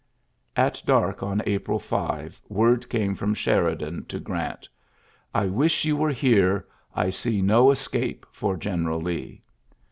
'' At dark on April 5 word came from Sheridan to Grant : "I wish you were here. I see no escape for General Lee."